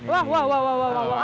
wajah wajah yang harus curigai